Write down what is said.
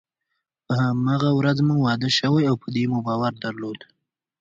په هماغه ورځ مو واده شوی او په دې مو باور درلود.